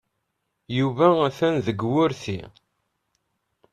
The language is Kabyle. Yuba atan deg wurti.